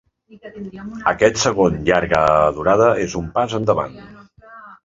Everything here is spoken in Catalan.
Aquest segon llarga durada és un pas endavant.